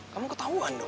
kamu ketauan dong